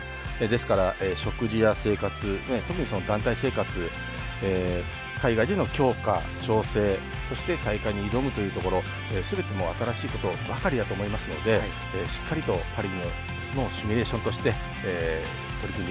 ですから食事や生活特に団体生活海外での強化調整そして大会に挑むというところ全て新しいことばかりだと思いますのでしっかりとパリのシミュレーションとして取り組んで頂きたいと思います。